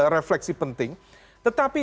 refleksi penting tetapi